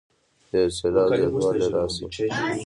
د یو سېلاب زیاتوالی راشي.